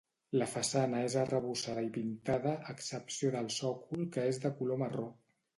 La façana és arrebossada i pintada, a excepció del sòcol que és de color marró.